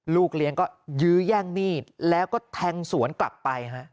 ลูกเลี้ยงก็ยื้อแย่งมีดแล้วก็แทงสวนกลับไปฮะ